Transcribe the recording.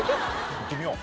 いってみよう。